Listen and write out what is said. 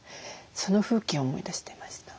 その風景を思い出していました。